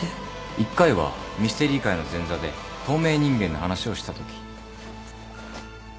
１回はミステリー会の前座で透明人間の話をしたとき。